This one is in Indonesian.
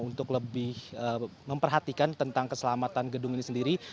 untuk lebih memperhatikan tentang keselamatan gedung ini sendiri